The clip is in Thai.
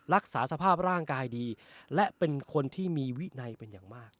รักษาสภาพร่างกายดีและเป็นคนที่มีวินัยเป็นอย่างมาก